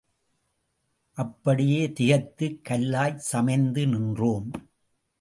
அப்படியே திகைத்துக் கல்லாய் சமைந்து நின்றோம்.